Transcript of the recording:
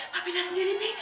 tapi lihat sendiri bi